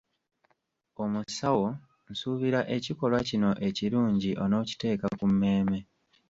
Omusawo, nsuubira ekikolwa kino ekirungi onookiteeka ku mmeeme.